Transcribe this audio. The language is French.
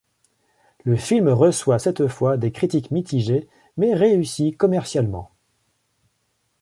Le film reçoit cette fois des critiques mitigées, mais réussit commercialement.